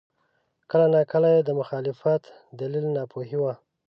کله ناکله یې د مخالفت دلیل ناپوهي وه.